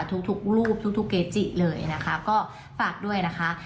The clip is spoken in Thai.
ทุกรูปทุกเกจิเลยนะคะก็ฝากด้วยนะคะ